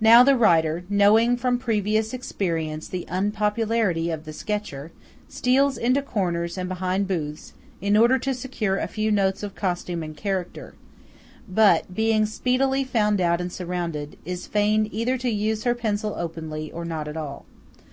Now the writer, knowing from previous experience the unpopularity of the sketcher, steals into corners and behind booths, in order to secure a few notes of costume and character; but, being, speedily found out and surrounded, is fain either to use her pencil openly or not at all.